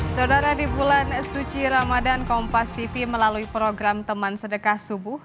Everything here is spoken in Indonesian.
saudara di bulan suci ramadan kompas tv melalui program teman sedekah subuh